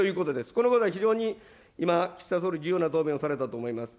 このことは非常に今、岸田総理、重要な答弁をされたと思います。